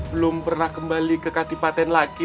belum pernah kembali ke kadipaten lagi